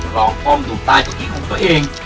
ลองป้อมถูกใต้เก้าอี้ของตัวเอง